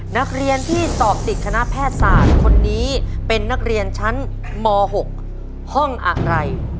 นักเรียนที่สอบติดคณะแพทยศาสตร์คนนี้เป็นนักเรียนชั้นม๖ห้องอะไร